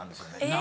何？